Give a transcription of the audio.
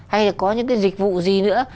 hay là có những cái dịch vụ gì nữa